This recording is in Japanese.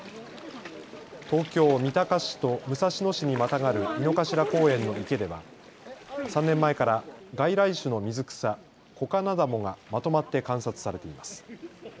東京三鷹市と武蔵野市にまたがる井の頭公園の池では３年前から外来種の水草コカナダモがまとまって観察されています。